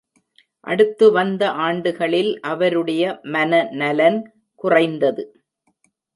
அடுத்து வந்த ஆண்டுகளில் அவருடைய மன நலன் குறைந்தது.